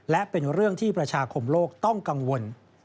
และเป็นเรื่องที่ประชาคมโลกต้องกังวล